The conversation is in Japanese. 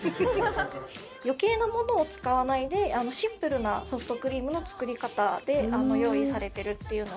余計なものを使わないでシンプルなソフトクリームの作り方で用意されてるっていうのが。